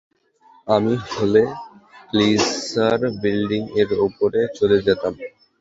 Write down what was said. আমি হলে Chrysler building এর উপরে চলে যেতাম।